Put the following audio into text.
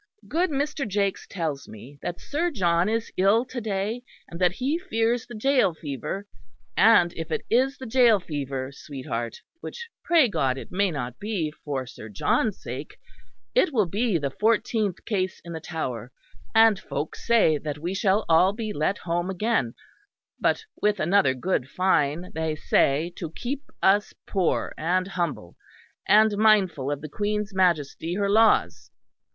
"Good Mr. Jakes tells me that Sir John is ill to day, and that he fears the gaol fever; and if it is the gaol fever, sweetheart, which pray God it may not be for Sir John's sake, it will be the fourteenth case in the Tower; and folks say that we shall all be let home again; but with another good fine, they say, to keep us poor and humble, and mindful of the Queen's Majesty her laws.